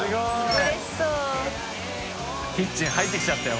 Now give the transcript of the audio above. キッチン入ってきちゃったよ